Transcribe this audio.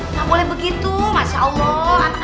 nggak boleh begitu masya allah